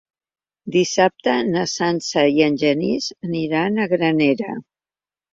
Dissabte na Sança i en Genís aniran a Granera.